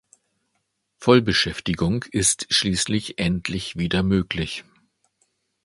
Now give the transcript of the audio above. Vollbeschäftigung ist schließlich endlich wieder möglich.